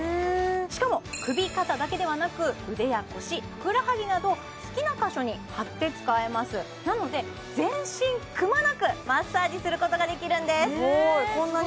しかも首肩だけではなく腕や腰ふくらはぎなど好きな箇所に貼って使えますなので全身くまなくマッサージすることができるんですへすごい！